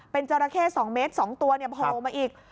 เป็นจราเข้๒เมตร๒ตัวโผล่มาอีก